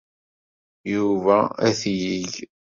Yuba ad t-yeg.